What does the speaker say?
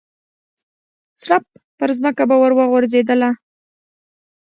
سړپ پرځمکه به ور وغورځېدله.